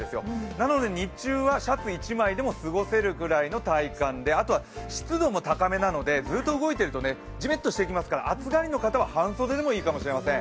なので日中はシャツ１枚でも過ごせるぐらいの体感で、あとは湿度も高めなので、ずっと動いているとじめっとしてきますから暑がりの方は半袖でもいいかもしれません。